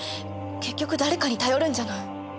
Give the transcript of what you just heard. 結局誰かに頼るんじゃない。